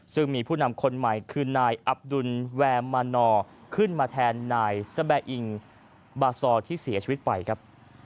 ซึ่งมีผู้นำคนใหม่คือนายอับดุลแวมมานอร์ขึ้นมาแทนนายสแบอิงบาซอร์ที่เสียชีวิตไปครับ